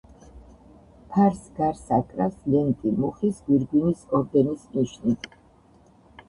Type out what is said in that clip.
ფარს გარს აკრავს ლენტი მუხის გვირგვინის ორდენის ნიშნით.